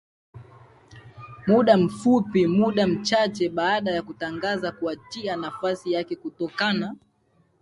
muda mfupi muda mchache baada ya kutangaza kuachia nafasi yake kutokana